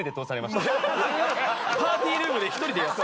パーティールームで一人でやってた。